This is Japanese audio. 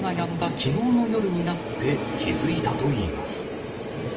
きのうの夜になって気付いたといいます。